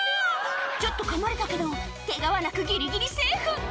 ちょっとかまれたけどケガはなくギリギリセーフ